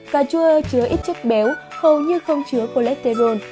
cà chua chứa ít chất béo hầu như không chứa cholesterol